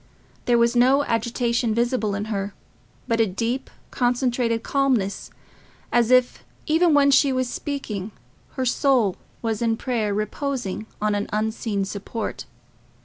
There was no agitation visible in her, but a deep concentrated calmness, as if, even when she was speaking, her soul was in prayer reposing on an unseen support.